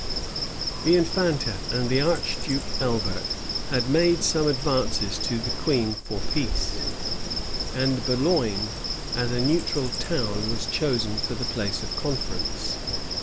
* Birch's Memoirs, vol. ii. p. 471. The infanta and the archduke Albert had made some advances to the queen for peace; and Boulogne, as a neutral town, was chosen for the place of conference.